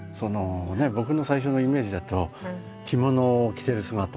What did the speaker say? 僕の最初のイメージだと着物を着てる姿。